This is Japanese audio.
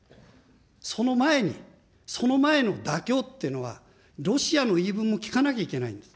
その前に、その前の妥協っていうのは、ロシアの言い分も聞かなきゃいけないんです。